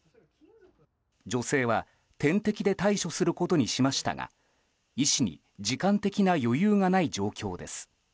女性は点滴で対処することにしましたが医師に時間的な余裕がない状況です。